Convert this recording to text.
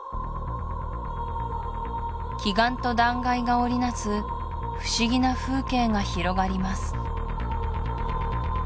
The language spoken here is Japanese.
奇岩と断崖が織りなす不思議な風景が広がります